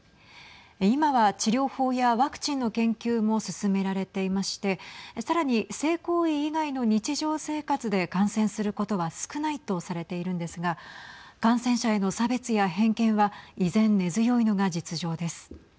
今は治療法やワクチンの研究も進められていましてさらに、性行為以外の日常生活で感染することは少ないとされているんですが感染者への差別や偏見は依然、根強いのが実情です。